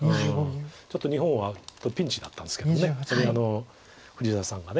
ちょっと日本はピンチだったんですけど藤沢さんが。